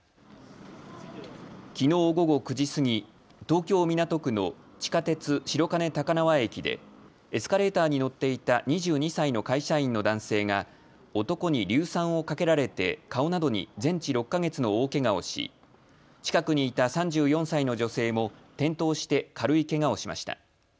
きのう午後９時過ぎ、東京港区の地下鉄白金高輪駅でエスカレーターに乗っていた２２歳の会社員の男性が男に硫酸をかけられて顔などに全治６か月の大けがをし、近くにいた３４歳の女性も転倒して軽いけがをしました。